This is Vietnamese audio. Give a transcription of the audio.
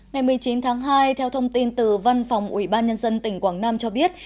ngày một mươi chín tháng hai theo thông tin từ văn phòng ủy ban nhân dân tỉnh quảng nam cho biết